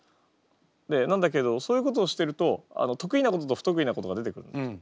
でなんだけどそういうことをしてると得意なことと不得意なことが出てくるんですよね。